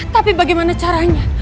tapi bagaimana caranya